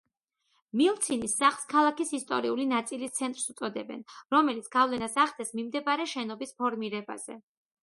მილცინის სახლს ქალაქის ისტორიული ნაწილის ცენტრს უწოდებენ, რომელიც გავლენას ახდენს მიმდებარე შენობის ფორმირებაზე.